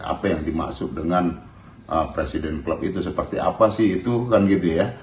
apa yang dimaksud dengan presiden klub itu seperti apa sih itu kan gitu ya